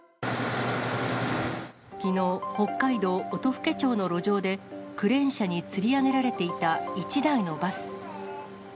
きのう、北海道音更町の路上で、クレーン車につり上げられていた１台のバス。